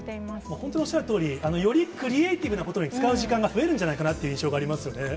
本当におっしゃるとおり、よりクリエーティブなことに使う時間が増えるんじゃないかなという印象がありますよね。